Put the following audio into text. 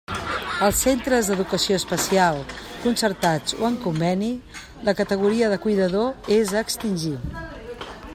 Als centres d'Educació Especial concertats o amb conveni, la categoria de cuidador és a extingir.